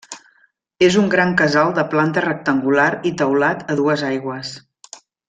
És un gran casal de planta rectangular i teulat a dues aigües.